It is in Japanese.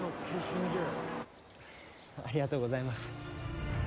ありがとうございます。